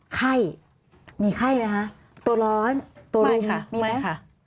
ไข้มีไข้ไหมคะตัวร้อนตัวลุมมีไหม